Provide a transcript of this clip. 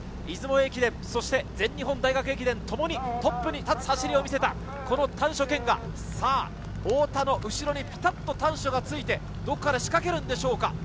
出雲駅伝、そして全日本大学駅伝、ともに、トップに立つ走りを見せた、この丹所健が、さあ、太田の後ろにぴたっと丹所がついて、どこかで仕掛けるんでしょうか。